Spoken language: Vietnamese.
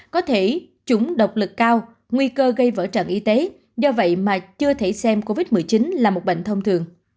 có thể chủng độc lực cao nguy cơ gây vỡ trận y tế do vậy mà chưa thể xem covid một mươi chín là một bệnh thông thường